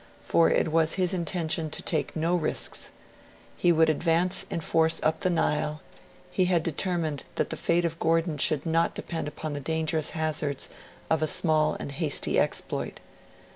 For it was his intention to take no risks; he would advance in force up the Nile; he had determined that the fate of Gordon should not depend upon the dangerous hazards of a small and hasty exploit.